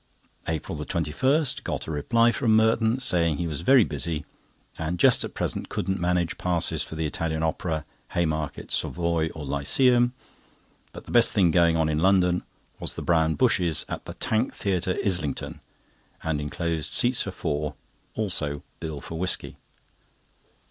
APRIL 21.—Got a reply from Merton, saying he was very busy, and just at present couldn't manage passes for the Italian Opera, Haymarket, Savoy, or Lyceum, but the best thing going on in London was the Brown Bushes, at the Tank Theatre, Islington, and enclosed seats for four; also bill for whisky.